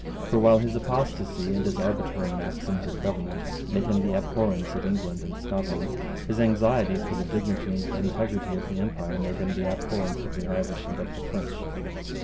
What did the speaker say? For, while his apostasy and his arbitrary maxims of government made him the abhorrence of England and Scotland, his anxiety for the dignity and integrity of the empire made him the abhorrence of the Irish and of the French.